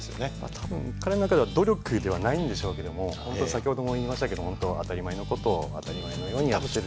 多分彼の中では努力ではないんでしょうけども先ほども言いましたけど当たり前の事を当たり前のようにやっている。